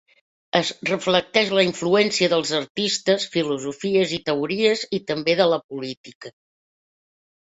Es reflecteix la influència dels artistes, filosofies i teories i també de la política.